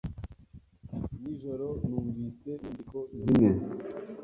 Nijoro numvise inyandiko zimwe.